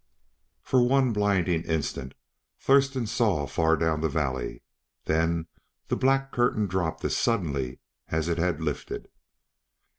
For one blinding instant Thurston saw far down the valley; then the black curtain dropped as suddenly as it had lifted.